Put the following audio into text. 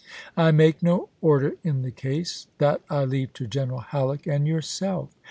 ' I make no order in the case — that I leave to General Halleck and yourself.